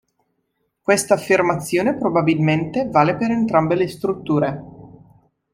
Questa affermazione probabilmente vale per entrambe le strutture.